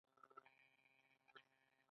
لومړی لیدلوری فلسفي اړخ لري.